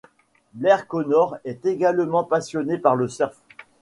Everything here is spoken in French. Blair Connor est également passionné par le surf.